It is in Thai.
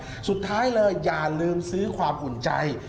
สุดท้ายเลยอย่าลืมซื้อความอุ่นใจ